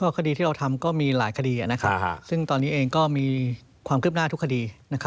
คดีที่เราทำก็มีหลายคดีซึ่งตอนนี้เองก็มีความคืบหน้าทุกคดี